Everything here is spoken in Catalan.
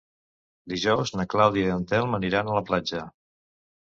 Dijous na Clàudia i en Telm aniran a la platja.